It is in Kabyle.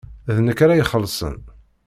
D nekk ara ixellṣen.